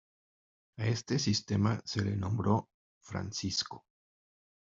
A este sistema se le nombró: Francisco.